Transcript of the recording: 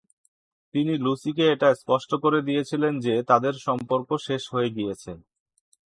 তিনি লুসিকে এটা স্পষ্ট করে দিয়েছিলেন যে, তাদের সম্পর্ক শেষ হয়ে গিয়েছে।